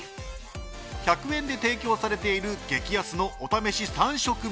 １００円で提供されている激安のお試し３色盛。